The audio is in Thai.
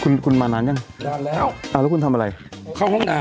คุณคุณมานานยังนานแล้วอ่าแล้วคุณทำอะไรเข้าห้องน้ำ